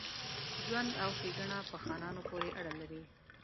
ژوند او ښېګڼه په خانانو پوري اړه لري.